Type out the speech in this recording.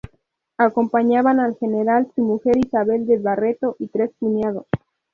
Acompañaban al general su mujer Isabel de Barreto y tres cuñados.